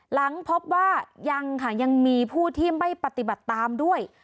หลังพบว่ายังค่ะยังมีผู้ที่ไม่ปฏิบัติตามด้วย